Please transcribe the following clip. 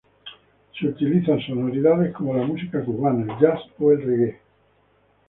Se utilizan sonoridades como la música cubana, el jazz o el reggae.